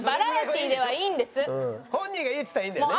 本人がいいって言ったらいいんだよね？